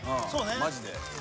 マジで。